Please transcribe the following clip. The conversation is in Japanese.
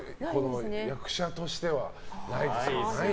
役者としてはないですよ。